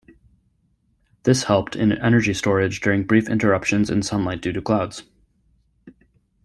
This helped in energy storage during brief interruptions in sunlight due to clouds.